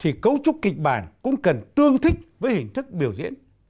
thì cấu trúc kịch bản cũng cần tương thích với hình thức biểu diễn